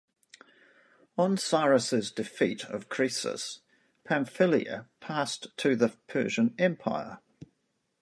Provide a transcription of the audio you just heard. On Cyrus's defeat of Croesus, Pamphylia passed to the Persian Empire.